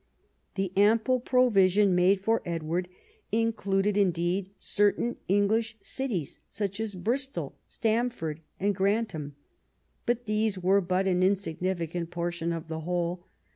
The ample provision made for Edward included indeed certain English cities such as Bristol, Stamford, and Grantham. But these were but an insignificant portion of the whole.